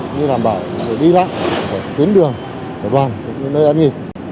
như đảm bảo để đi lãng đến đường đoàn đến nơi ăn nghỉ